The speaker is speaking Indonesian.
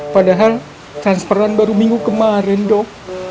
padahal transparan baru minggu kemarin dok